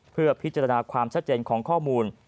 เพื่อพิจารณาความชัดเจนของข้อมูล